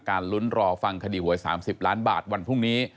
ลุ้นรอฟังคดีหวย๓๐ล้านบาทวันพรุ่งนี้